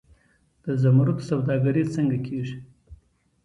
د زمرد سوداګري څنګه کیږي؟